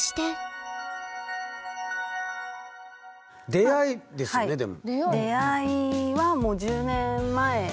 出会いですよねでも。